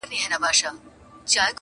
کوم ظالم رانه وژلې؛ د هنر سپینه ډېوه ده,